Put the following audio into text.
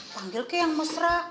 panggil ke yang mesra